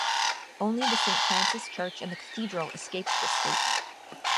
Only the Saint Francis Church and the Cathedral escaped this fate.